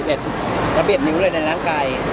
ระเบียบนิ้วเลยในร่างกาย